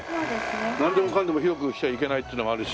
なんでもかんでも広くしちゃいけないっていうのもあるし。